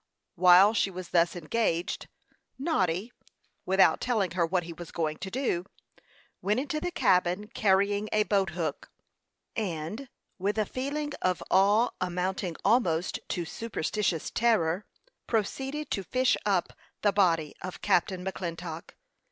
While she was thus engaged, Noddy, without telling her what he was going to do, went into the cabin, carrying a boat hook, and, with a feeling of awe amounting almost to superstitious terror, proceeded to fish up the body of Captain McClintock.